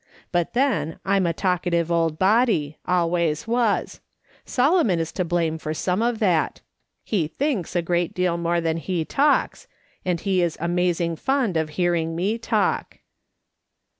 But then I'm a talkative old body, always was; Solomon is to blame for some of that : he thinks a good deal more than he talks, and he is amazing fond of hearing me talk."